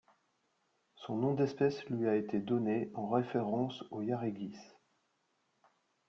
Son nom d'espèce lui a été donné en référence aux Yariguis.